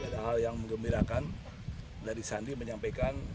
ada hal yang mengembirakan dari sandi menyampaikan